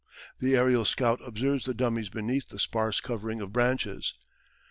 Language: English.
The aerial scout observes the dummies beneath the sparse covering of branches.